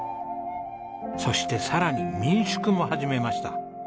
そしてさらに民宿も始めました。